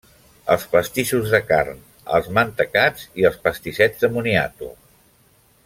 Els pastissos de carn, els mantecats i els pastissets de moniato.